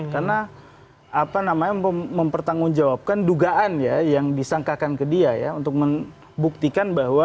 karena apa namanya mempertanggungjawabkan dugaan ya yang disangkakan ke dia ya untuk membuktikan bahwa